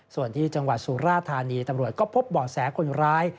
ส่วนที่จังหวัดสุราธานีตำรวจก็พบบ่อแสคนร้าย